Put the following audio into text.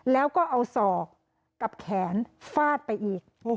แล้วก็เอาศอกกับแขนฟาดไปอีก